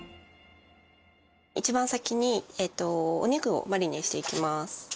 一番先にお肉をマリネしていきます。